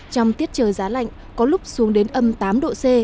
trong tiết trời giá lạnh có lúc xuống đến âm tám độ c